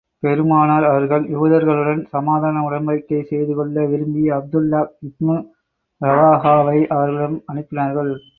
பெருமானார் அவர்கள், யூதர்களுடன் சமாதான உடன்படிக்கை செய்து கொள்ள விரும்பி, அப்துல்லாஹ் இப்னு ரவாஹாவை அவர்களிடம் அனுப்பினார்கள்.